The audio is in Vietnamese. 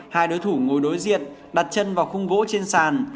hai đối thủ ngồi đối diệt đặt chân vào khung gỗ trên sàn